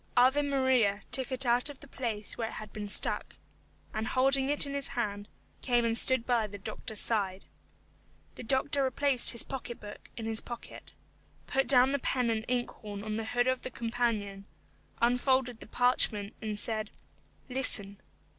Ave Maria took it out of the place where it had been stuck, and holding it in his hand, came and stood by the doctor's side. The doctor replaced his pocket book in his pocket, put down the pen and inkhorn on the hood of the companion, unfolded the parchment, and said, "Listen."